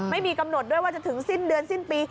ไม่มีกำหนดด้วยว่าจะถึงสิ้นเดือนสิ้นปี